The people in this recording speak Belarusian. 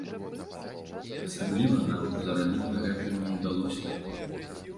Асабліва нам зарабіць на гэтым не ўдалося.